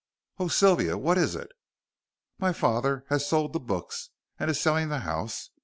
"Oh, Sylvia, what is it?" "My father has sold the books and is selling the house.